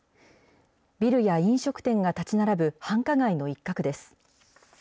ビルや飲食店が建ち並ぶ繁華街の一角です。